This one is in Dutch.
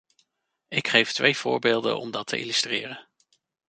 Ik geef twee voorbeelden om dat te illustreren.